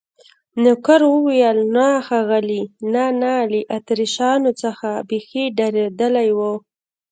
نوکر وویل: نه ښاغلي، نه، نه، له اتریشیانو څخه بیخي ډارېدلی و.